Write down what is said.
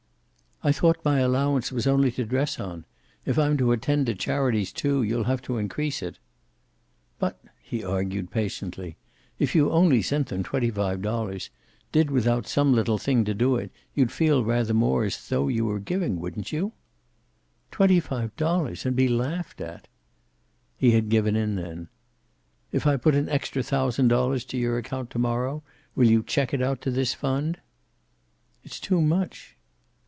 "I thought my allowance was only to dress on. If I'm to attend to charities, too, you'll have to increase it." "But," he argued patiently, "if you only sent them twenty five dollars, did without some little thing to do it, you'd feel rather more as though you were giving, wouldn't you?" "Twenty five dollars! And be laughed at!" He had given in then. "If I put an extra thousand dollars to your account to morrow, will you check it out to this fund?" "It's too much."